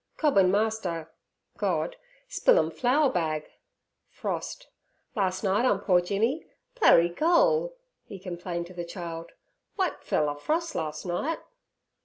'Cobban Master (God) spillum flour bag (frost) las' night on poor Jimmy. Plurry cole' he complained to the child. 'W'ite pfeller frost las' night.'